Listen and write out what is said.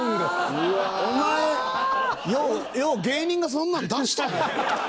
芸人がそんなん出したな。